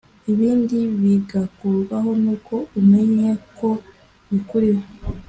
ibindi bigakurwaho n’uko umenye ko bikuriho